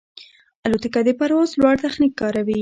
الوتکه د پرواز لوړ تخنیک کاروي.